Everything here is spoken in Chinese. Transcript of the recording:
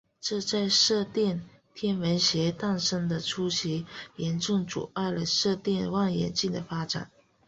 这在射电天文学诞生的初期严重阻碍了射电望远镜的发展。